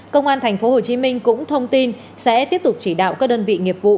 công an tp hcm cũng thông tin sẽ tiếp tục chỉ đạo các đơn vị nghiệp vụ